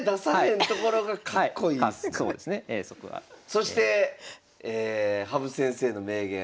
そして羽生先生の名言。